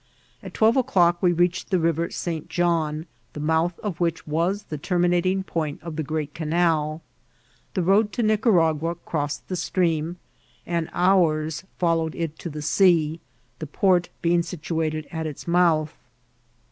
At twelve o'clock we reached the River St. John, the mouth of which was the terminating point of the great canal. The road to Nicaragua crossed the stream, and ours followed it to the sea, the port being situated at its mouth.